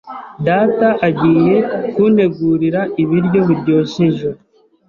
Data agiye kuntegurira ibiryo biryoshye ejo.